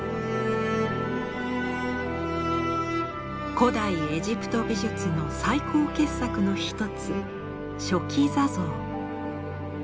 古代エジプト美術の最高傑作の一つ「書記座像」。